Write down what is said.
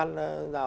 như thế nào